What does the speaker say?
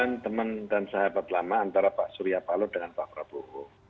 dan teman dan sahabat lama antara pak surya palo dengan pak prabowo